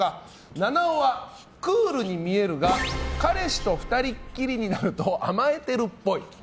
菜々緒は、クールに見えるが彼氏と２人きりになると甘えてるっぽい。